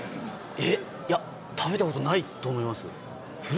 いや食べたことないと思います。